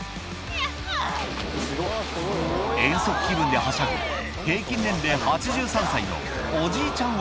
遠足気分ではしゃぐ平均年齢８３歳のおじいちゃん